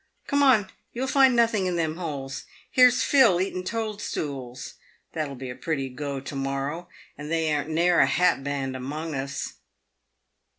" Come on ! you'll find nothin' in them holes. Here's Phil eatin' toadstools. That'll be a pretty go to morrow ; and there ain't ne'er a hatband among us."